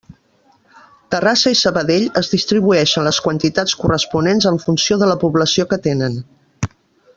Terrassa i Sabadell es distribueixen les quantitats corresponents en funció de la població que tenen.